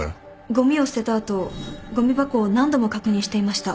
ごみを捨てた後ごみ箱を何度も確認していました。